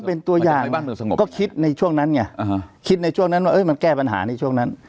เป็นตัวอย่างก็คิดในช่วงนั้นไงคิดในช่วงนั้นว่ามันแก้ปัญหาในช่วงนั้น